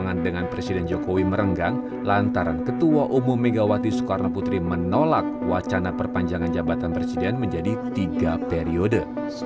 waktu itu tidak ada mekanisme yang kemudian memungkinkan untuk kita melakukan perpanjangan atau melakukan tiga periode